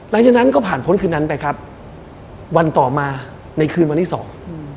หลังจากนั้นก็ผ่านพ้นคืนนั้นไปครับวันต่อมาในคืนวันที่สองอืม